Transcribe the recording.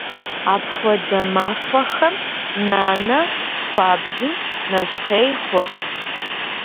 Апхуэдэ махуэхэм нанэ хуабжьу нэщхъей хъурт.